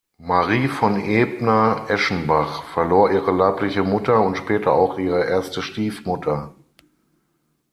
Marie von Ebner-Eschenbach verlor ihre leibliche Mutter und später auch ihre erste Stiefmutter.